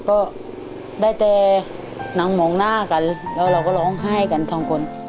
ก็ได้แต่นั่งมองหน้ากันแล้วเราก็ร้องไห้กันสองคน